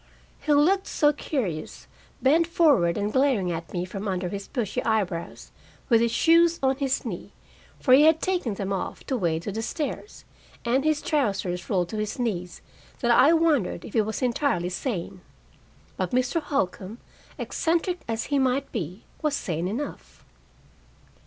He looked so curious, bent forward and glaring at me from under his bushy eyebrows, with his shoes on his knee for he had taken them off to wade to the stairs and his trousers rolled to his knees, that I wondered if he was entirely sane. But Mr. Holcombe, eccentric as he might be, was sane enough.